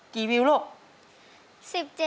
กี่วิวลูก๑๗ล้านวิวค่ะ